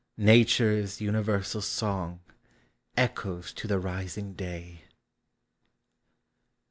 Nature's universal song Echoes to the rising day.